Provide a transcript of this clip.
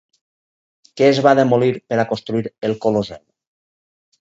Què es va demolir per a construir el Colosseu?